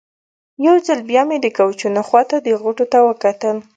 یو ځل بیا مې د کوچونو خوا ته غوټو ته وکتل.